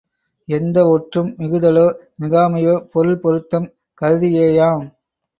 எந்த ஒற்றும் மிகுதலோ மிகாமையோ பொருள் பொருத்தம் கருதியேயாம்.